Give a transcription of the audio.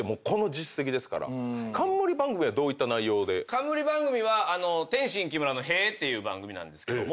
冠番組は『天津木村のへぇ』っていう番組なんですけども。